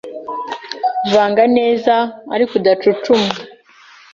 Vanga neza ariko udacucuma